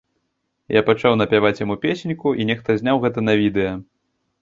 Я пачаў напяваць яму песеньку, і нехта зняў гэта на відэа.